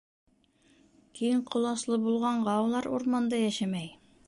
Киң ҡоласлы булғанға улар урманда йәшәмәй.